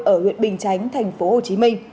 ở huyện bình chánh tp hcm